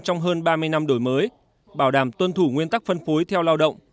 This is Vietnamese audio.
trong hơn ba mươi năm đổi mới bảo đảm tuân thủ nguyên tắc phân phối theo lao động